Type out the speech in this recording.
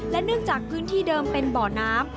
เนื่องจากพื้นที่เดิมเป็นบ่อน้ำ